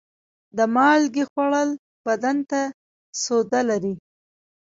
د مالګې خوړل بدن ته سوده لري.